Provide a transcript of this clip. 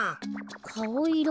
かおいろ